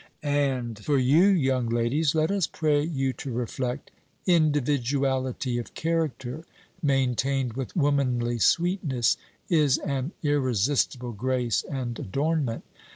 And for you, young ladies, let us pray you to reflect individuality of character, maintained with womanly sweetness, is an irresistible grace and adornment.